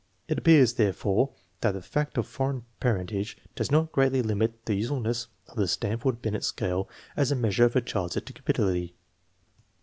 It ap pears, therefore, that the fact of foreign parentage does not greatly limit the usefulness of the Stanf ord Binet scale as a measure of a child's educability